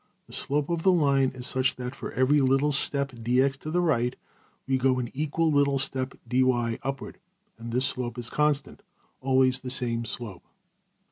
The slope of the line is such that for every little step~$dx$ to the right, we go an equal little step~$dy$ upward. And this slope is constant always the same slope.